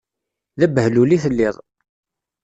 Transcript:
D abehlul i telliḍ.